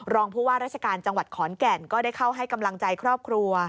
รองผู้ว่าราชการจังหวัดขอนแก่นก็ได้เข้าให้กำลังใจครอบครัว